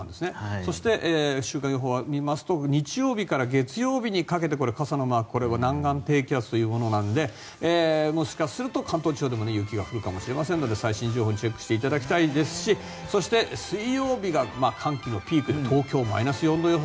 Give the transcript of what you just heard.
そして、週間予報を見ますと日曜日から月曜日にかけて傘のマーク、これは南岸低気圧というものなのでもしかすると関東地方でも雪が降るかもしれませんので最新情報をチェックしていただきたいですしそして、水曜日が寒気のピークで東京、マイナス４度予報。